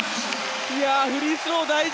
フリースロー大事。